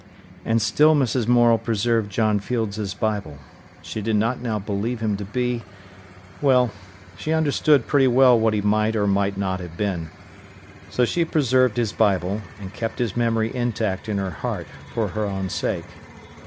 And still Mrs. Morel preserved John Field's Bible. She did not now believe him to be—— Well, she understood pretty well what he might or might not have been. So she preserved his Bible, and kept his memory intact in her heart, for her own sake.